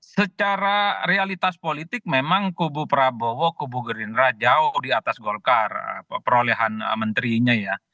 secara realitas politik memang kubu prabowo kubu gerindra jauh di atas golkar perolehan menterinya ya